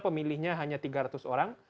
pemilihnya hanya tiga ratus orang